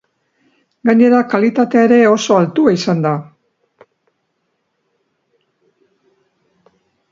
Gainera, kalitatea ere oso altua izan da.